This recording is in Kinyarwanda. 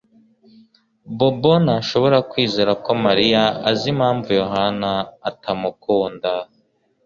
Bobo ntashobora kwizera ko Mariya azi impamvu Yohana atamukunda